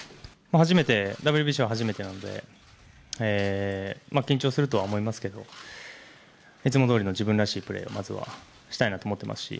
ＷＢＣは初めてなので緊張するとは思いますけどいつもどおりの自分らしいプレーをしたいなと思ってますし